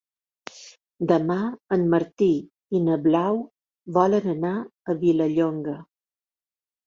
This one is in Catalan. Demà en Martí i na Blau volen anar a Vilallonga.